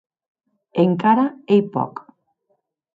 Encara ei pòc.